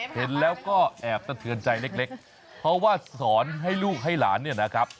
เห็นแล้วก็แอบสะเทือนใจเล็กเพราะว่าสอนให้ลูกให้หลานเนี่ยนะครับ